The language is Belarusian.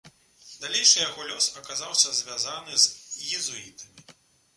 Далейшы яго лёс аказаўся звязаны з езуітамі.